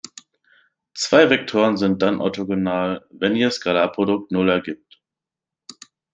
Zwei Vektoren sind dann orthogonal, wenn ihr Skalarprodukt null ergibt.